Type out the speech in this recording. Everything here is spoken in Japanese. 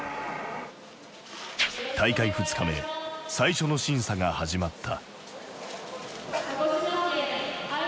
大会２日目最初の審査が始まった。